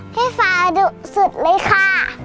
พี่สาดุสุดเลยค่ะ